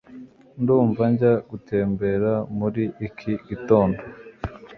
ndumva njya gutembera muri iki gitondo